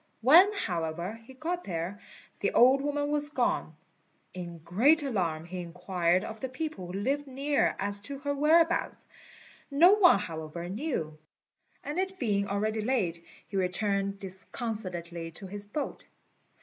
When, however, he got there, the old woman was gone. In great alarm he inquired of the people who lived near as to her whereabouts; no one, however, knew; and it being already late he returned disconsolately to his boat.